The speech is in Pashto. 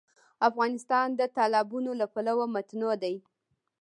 افغانستان د تالابونه له پلوه متنوع دی.